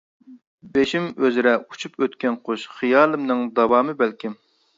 بېشىم ئۆزرە ئۇچۇپ ئۆتكەن قۇش، خىيالىمنىڭ داۋامى بەلكىم.